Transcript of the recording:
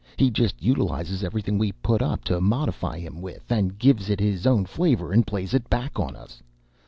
He just utilizes everything we put up to modify him with, and gives it his own flavor and plays it back on us.